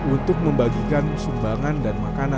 untuk membagikan sumbangan dan makanan